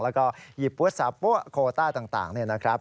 แล้วก็หยิบโทรศัพท์โควต้าต่าง